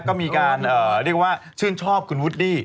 ก็มีการชื่นชอบคุณวูดดี้